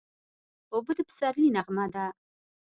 اوبه د پسرلي نغمه ده.